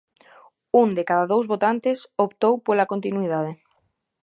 Un de cada dous votantes optou pola continuidade.